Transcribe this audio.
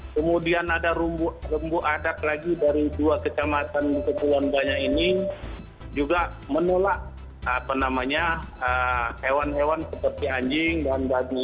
kemudian ada rumbu adat lagi dari dua kecamatan di kepulauan banyak ini